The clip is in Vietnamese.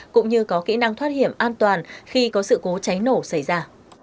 cũng như có kỹ năng thoát hiểm an toàn khi có sự cố cháy nổ xảy ra